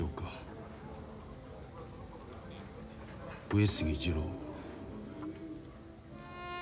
上杉二郎。